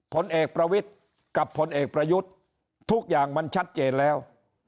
ผลเอกประวิทย์กับผลเอกประยุทธ์ทุกอย่างมันชัดเจนแล้ว